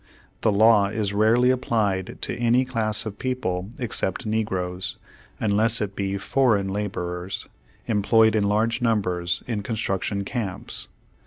The law, is rarely applied to any class of people except negroes, unless it be foreign laborers, employed in large numbers in construction camps.